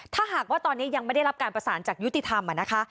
ถ้าหากว่าตอนนี้ยังไม่ได้รับการประสานจากยุติธรรมนะคะ